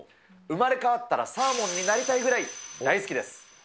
生まれ変わったら、サーモンになりたいぐらい大好きです。